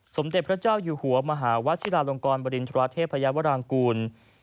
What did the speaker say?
สมเด็จพระเจ้าอยู่หัวมหาวชิลาลงกรบริณฑราเทพยาวรางกูล